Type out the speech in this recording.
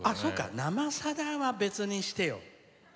「生さだ」は別にしてよ。